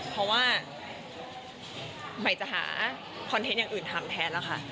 เพราะว่าใหม่จะหาคอนเทนต์อย่างอื่นทำแทนแล้วค่ะ